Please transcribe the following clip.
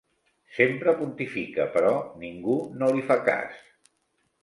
Sempre pontifica però ningú no li fa cas.